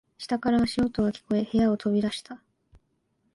下から足音が聞こえ、部屋を飛び出した。